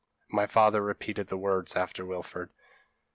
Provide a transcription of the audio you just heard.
p> "My father repeated the words after Wilfred.